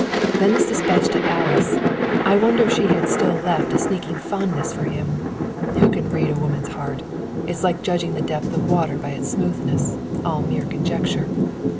"Then this dispatch to Alice, I wonder if she had still left a sneaking fondness for him! Who can read a woman's heart? It's like judging the depth of water by its smoothness: all mere conjecture.